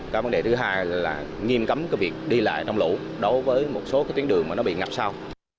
cái vấn đề thứ hai là nghiêm cấm cái việc đi lại trong lũ đối với một số cái tuyến đường mà nó bị ngập sâu